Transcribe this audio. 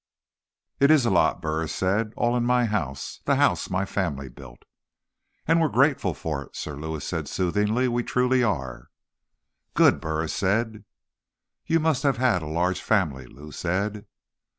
"It is a lot," Burris said. "All in my house. The house my family built." "And we're grateful for it," Sir Lewis said soothingly. "We truly are." "Good," Burris said. "You must have had a large family," Lou said.